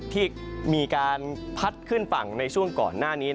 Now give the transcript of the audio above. ที่มีการพัดขึ้นฝั่งในช่วงก่อนหน้านี้